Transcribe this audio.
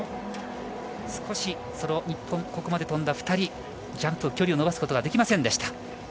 少し日本のここまで飛んだ２人はジャンプ、距離を伸ばすことはできませんでした。